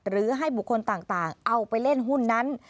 หรือให้บุคคลต่างเอาไปเล่นหุ้นนั้น